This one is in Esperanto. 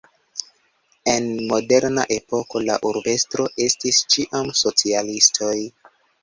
En moderna epoko la urbestroj estis ĉiam socialistoj.